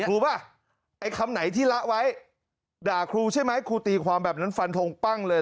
ป่ะไอ้คำไหนที่ละไว้ด่าครูใช่ไหมครูตีความแบบนั้นฟันทงปั้งเลย